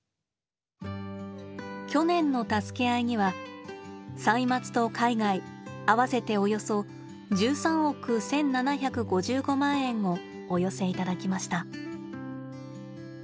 去年の「たすけあい」には「歳末」と「海外」合わせておよそ１３億１，７５５万円をお寄せ頂きました。